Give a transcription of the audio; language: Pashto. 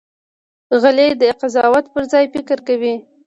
غلی، د قضاوت پر ځای فکر کوي.